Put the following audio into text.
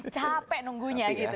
capek nunggunya gitu kan